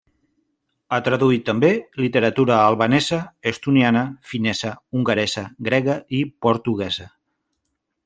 Ha traduït també literatura albanesa, estoniana, finesa, hongaresa, grega i portuguesa.